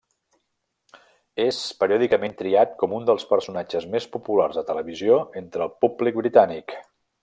És periòdicament triat com un dels personatges més populars de televisió entre el públic britànic.